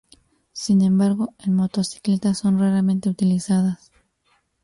Sin embargo, en motocicletas son raramente utilizadas.